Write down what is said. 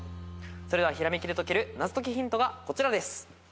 それではひらめきで解ける謎解きヒントがこちらです。